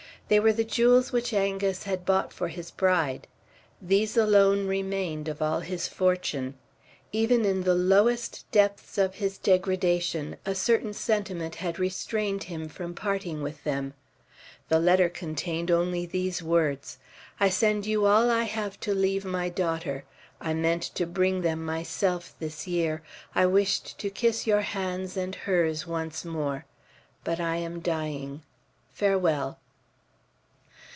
They were the jewels which Angus had bought for his bride. These alone remained of all his fortune. Even in the lowest depths of his degradation, a certain sentiment had restrained him from parting with them. The letter contained only these words: "I send you all I have to leave my daughter. I meant to bring them myself this year. I wished to kiss your hands and hers once more. But I am dying. Farewell."